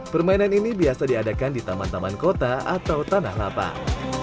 permainan ini biasa diadakan di taman taman kota atau tanah lapang